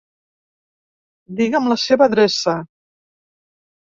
Diga'm la seva adreça.